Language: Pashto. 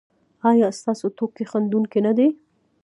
ایا ستاسو ټوکې خندونکې نه دي؟